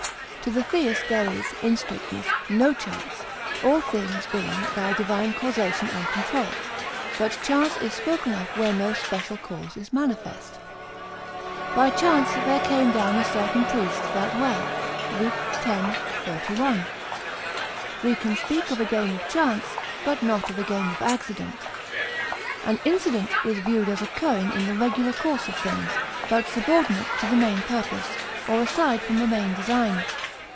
To the theist there is, in strictness, no chance, all things being by divine causation and control; but chance is spoken of where no special cause is manifest: "By chance there came down a certain priest that way," Luke x, 31. We can speak of a game of chance, but not of a game of accident. An incident is viewed as occurring in the regular course of things, but subordinate to the main purpose, or aside from the main design.